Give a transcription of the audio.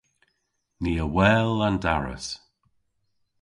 Ni a wel an daras.